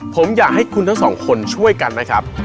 ผมอยากให้คุณทั้งสองคนช่วยกันนะครับ